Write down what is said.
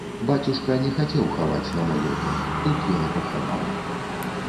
Бацюшка не хацеў хаваць на могілках, тут я і пахаваў.